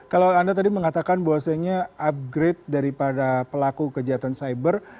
kalau anda tadi mengatakan bahwasanya upgrade daripada pelaku kejahatan cyber